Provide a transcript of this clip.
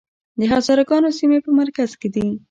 د هزاره ګانو سیمې په مرکز کې دي